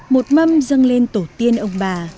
một mâm dâng lên tổ tiên ông bà